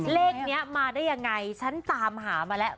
เลขนี้มาได้ยังไงฉันตามหามาแล้ว